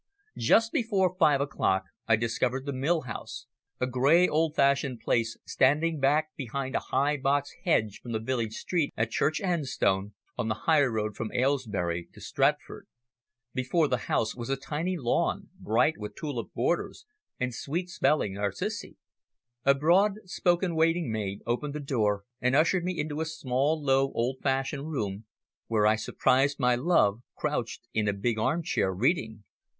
Just before five o'clock I discovered the Mill House, a grey, old fashioned place standing back behind a high box hedge from the village street at Church Enstone, on the highroad from Aylesbury to Stratford. Before the house was a tiny lawn, bright with tulip borders and sweet smelling narcissi. A broad spoken waiting maid opened the door and ushered me into a small, low, old fashioned room, where I surprised my love crouched in a big armchair, reading.